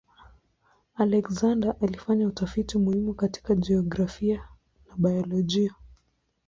Alexander alifanya utafiti muhimu katika jiografia na biolojia.